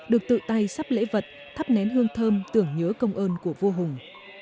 được tự tay sắp lễ vật thắp nén hương thơm tưởng nhớ công ơn của vua hùng